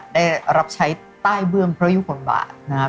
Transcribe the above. ได้รับใช้ใต้เบื้องพระยุบทบาทนะฮะ